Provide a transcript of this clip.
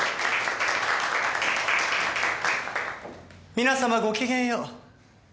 皆様ごきげんよう。